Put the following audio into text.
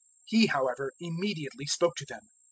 He, however, immediately spoke to them.